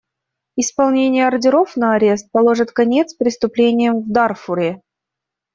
Исполнение ордеров на арест положит конец преступлениям в Дарфуре.